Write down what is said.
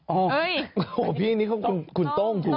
โอ้โฮพี่นี่คือคุณต้องคุณต้องจุบี